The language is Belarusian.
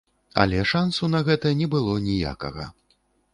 Але шансу на гэта не было ніякага.